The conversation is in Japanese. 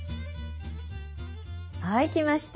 はいきました。